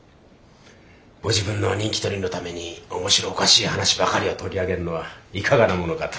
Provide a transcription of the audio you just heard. ご自分の人気取りのために面白おかしい話ばかりを取り上げるのはいかがなものかと。